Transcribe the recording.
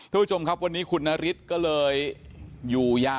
ทุกที่ชมครับวันนี้คุณนาริสก็เลย